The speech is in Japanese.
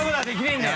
んだよ。